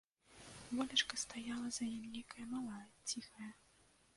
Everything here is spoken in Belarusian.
Волечка стаяла за ім нейкая малая, ціхая.